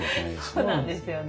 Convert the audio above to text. そうなんですよね。